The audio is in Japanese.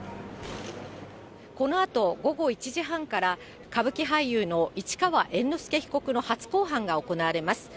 このあと午後１時半から、歌舞伎俳優の市川猿之助被告の初公判が行われます。